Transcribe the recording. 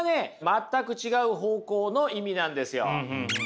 全く違う方向の意味なんですよ。